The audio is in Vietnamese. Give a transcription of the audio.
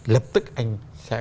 lập tức anh sẽ